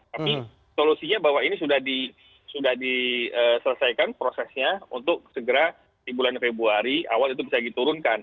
tapi solusinya bahwa ini sudah diselesaikan prosesnya untuk segera di bulan februari awal itu bisa diturunkan